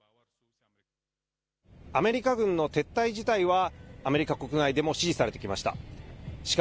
アメリカ軍の撤退自体は、アメリカ国内でも支持されてきました。